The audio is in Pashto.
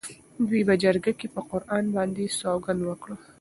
دوی په جرګه کې پر قرآن باندې سوګند وکړ.